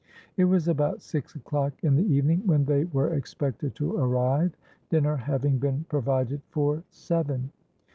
It was about six o'clock in the evening when they were expected to arrive, dinner having been provided for seven.